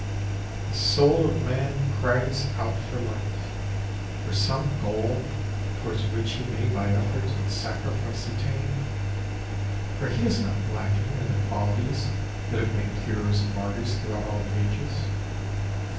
The soul of man cries out for light, for some goal towards which he may by effort and sacrifice attain; for he is not lacking in the qualities that have made heroes and martyrs throughout all the ages.